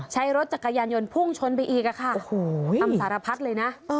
ใช้รถจักรยานยนต์พุ่งชนไปอีกอะค่ะโอ้โหคำสารพัดเลยนะ